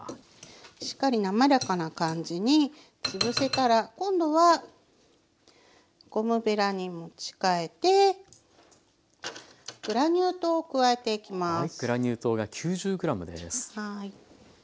しっかり滑らかな感じにつぶせたら今度はゴムべらに持ち替えてグラニュー糖加えていきます。